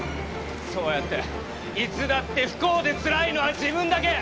そうやっていつだって不幸でつらいのは自分だけ！